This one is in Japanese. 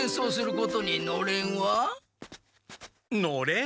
のれん？